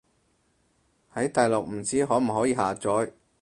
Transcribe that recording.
喺大陸唔知可唔可以下載